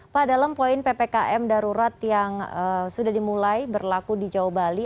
pak dalam poin ppkm darurat yang sudah dimulai berlaku di jawa bali